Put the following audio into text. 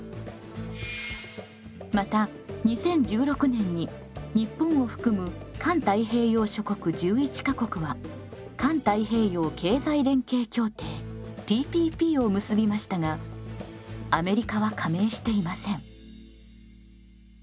また２０１６年に日本を含む環太平洋諸国１１か国は環太平洋経済連携協定ＴＰＰを結びましたがアメリカは加盟していません。